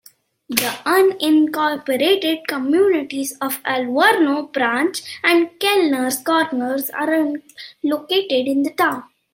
The unincorporated communities of Alverno, Branch, and Kellners Corners are located in the town.